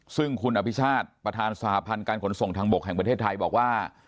ซึ่งคุณอภิชาติประธานสหพันธ์การขนส่งทางบกแห่งประเทศไทยบอกว่า